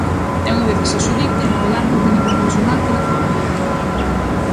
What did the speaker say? E unha vez que se adxudique, velar por que ningún persoal quede fóra.